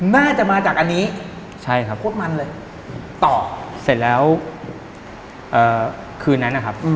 เสร็จแล้วคืนนั้นนะครับ